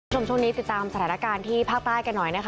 ช่วงนี้ติดตามสถานการณ์ที่ภาคใต้กันหน่อยนะคะ